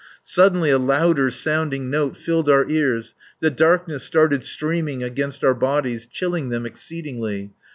Suddenly a louder sounding note filled our ears, the darkness started streaming against our bodies, chilling them exceedingly.